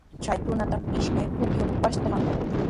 Chay tunatraw ishkay pukyumi pashtashqa.